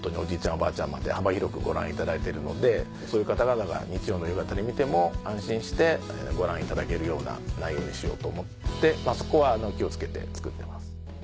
おばあちゃんまで幅広くご覧いただいてるのでそういう方々が日曜の夕方に見ても安心してご覧いただけるような内容にしようと思ってそこは気を付けて作ってます。